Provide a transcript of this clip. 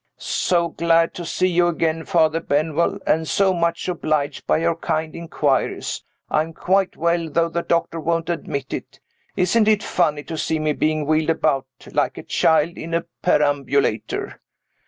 "So glad to see you again, Father Benwell, and so much obliged by your kind inquiries. I am quite well, though the doctor won't admit it. Isn't it funny to see me being wheeled about, like a child in a perambulator?